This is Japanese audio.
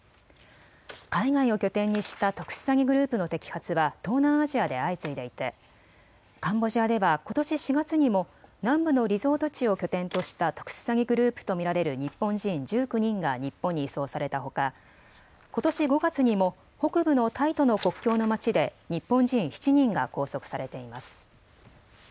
海外を拠点にした特殊詐欺グループの摘発は東南アジアで相次いでいてカンボジアではことし４月にも南部のリゾート地を拠点とした特殊詐欺グループと見られる日本人１９人が日本に移送されたほか、ことし５月にも北部のタイとの国境の町で日本人７人が拘束されています。